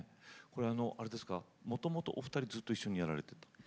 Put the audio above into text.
これあのあれですかもともとお二人ずっと一緒にやられてた？